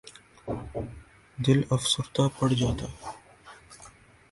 دل افسردہ پڑ جاتا ہے۔